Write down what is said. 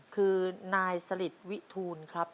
คือนายสลิดวิทูลครับ